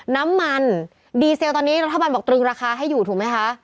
น้ำมันดีเซลตอนนี้รัฐบาลบอกตรึงราคาให้อยู่ถูกไหมคะ